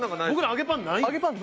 揚げパンないの？